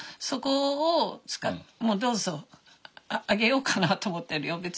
そこをどうぞあげようかなと思ってるよ。